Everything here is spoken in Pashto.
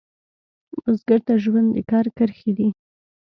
بزګر ته ژوند د کر کرښې دي